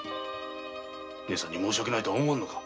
姉さんに申し訳ないと思わないのか！